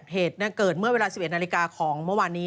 เหตุเกิดเมื่อเวลา๑๑นาฬิกาของเมื่อวานนี้